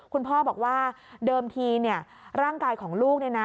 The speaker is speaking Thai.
คุณพ่อบอกว่าเดิมทีเนี่ยร่างกายของลูกเนี่ยนะ